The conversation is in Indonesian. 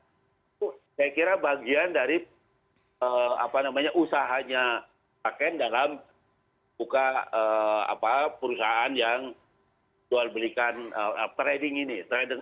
itu saya kira bagian dari usahanya pakaian dalam buka perusahaan yang jual belikan trading ini